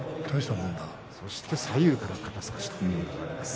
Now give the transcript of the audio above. そして左右から肩すかしがあります。